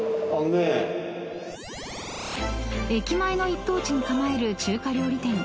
［駅前の一等地に構える中華料理店］